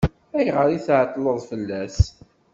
Ayɣer i tɛeṭṭleḍ fell-as?